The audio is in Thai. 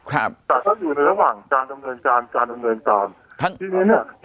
ครับแต่ก็อยู่ในระหว่างการดำเนินการการดำเนินการทั้งทีเนี้ย